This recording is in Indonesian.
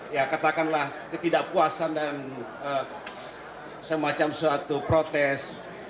ya katakanlah ketidakpuasan dan semacam suatu protes